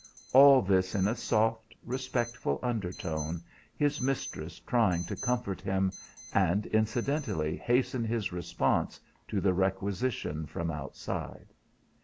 All this in a soft, respectful undertone, his mistress trying to comfort him, and incidentally hasten his response to the requisition from outside.